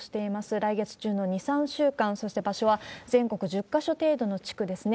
来月中の２、３週間、そして場所は全国１０か所程度の地区ですね。